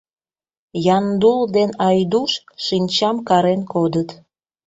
Яндул ден Айдуш шинчам карен кодыт.